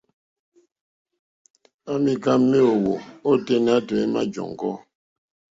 À mìká méèwó óténá tɔ̀ímá !jɔ́ŋɡɔ́.